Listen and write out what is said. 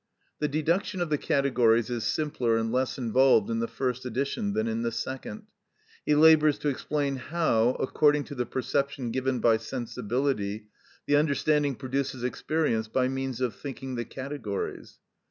The deduction of the categories is simpler and less involved in the first edition than in the second. He labours to explain how, according to the perception given by sensibility, the understanding produces experience by means of thinking the categories.